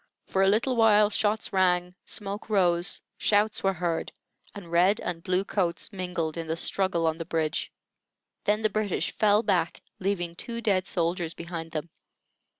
For a little while shots rang, smoke rose, shouts were heard, and red and blue coats mingled in the struggle on the bridge. Then the British fell back, leaving two dead soldiers behind them.